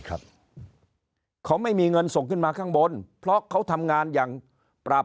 ครับเขาไม่มีเงินส่งขึ้นมาข้างบนเพราะเขาทำงานอย่างปราบ